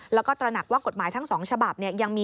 แล้วก็ตระหนักว่ากฎหมายทั้ง๒ฉบับ